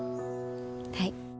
はい。